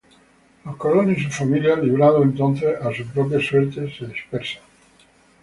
Los colonos y sus familias, librados entonces a su propia suerte, se dispersan.